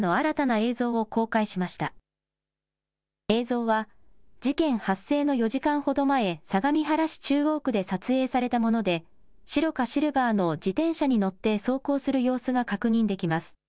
映像は、事件発生の４時間ほど前、相模原市中央区で撮影されたもので、白かシルバーの自転車に乗って走行する様子が確認できます。